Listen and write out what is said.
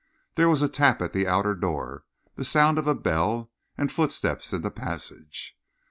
There was a tap at the outer door, the sound of a bell and footsteps in the passage.